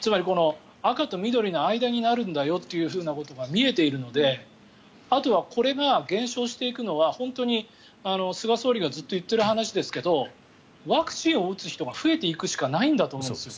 つまり、赤と緑の間になるんだよということが見えているのであとはこれが減少していくのは本当に菅総理がずっと言っている話ですけどワクチンを打つ人が増えていくしかないと思うんです。